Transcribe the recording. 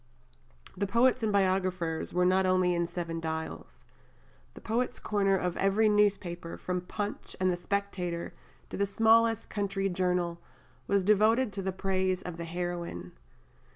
The poets and biographers were not only in Seven Dials. The Poet's Corner of every newspaper, from Punch and the Spectator to the smallest country journal, was devoted to the praise of the heroine.